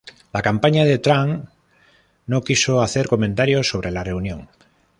La campaña de Trump no quiso hacer comentarios sobre la reunión.